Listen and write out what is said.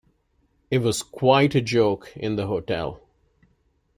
It was quite a joke in the hotel.